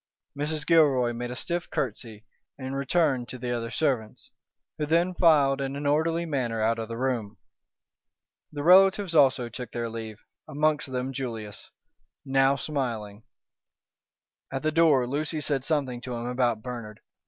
Mrs. Gilroy made a stiff curtsey and returned to the other servants, who then filed in an orderly manner out of the room. The relatives also took their leave, amongst them Julius, now smiling. At the door Lucy said something to him about Bernard.